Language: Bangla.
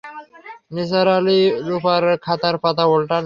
নিসার আলি রূপার খাতার পাতা ওল্টালেন।